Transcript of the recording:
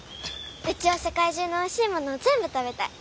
うちは世界中のおいしいものを全部食べたい。